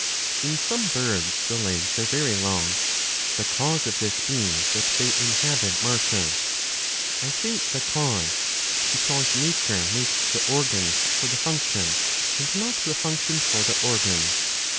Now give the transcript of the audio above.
^ In some birds the legs are very long, the cause of this being that they inhabit marshes. I say the cause, because nature makes the organs for the function, and not the function for the organs.